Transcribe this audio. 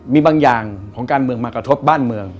มีบางอย่างของการเมืองมากระทบบ้านเมือง